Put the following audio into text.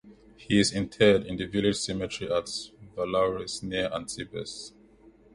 He is interred in the Village cemetery at Vallauris, near Antibes.